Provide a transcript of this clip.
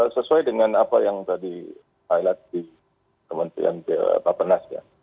sesuai dengan apa yang tadi highlight di kementerian bapak penas ya